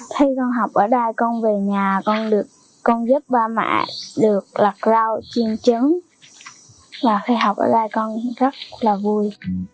khi con học ở đây con về nhà con giúp ba mẹ được lật rau chiên trứng khi học ở đây con rất là vui